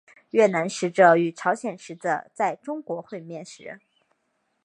越南使者与朝鲜使者在中国会面时。